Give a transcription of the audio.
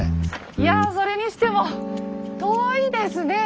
いやそれにしても遠いですね。